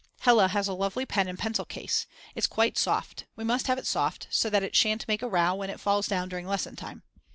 Hella has a lovely pen and pencil case; it's quite soft, we must have it soft so that it shan't make a row when it falls down during lesson time.